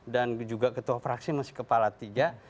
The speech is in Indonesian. dan juga ketua fraksi masih kepala tiga